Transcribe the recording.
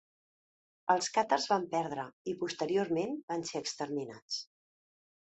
Els càtars van perdre i posteriorment van ser exterminats.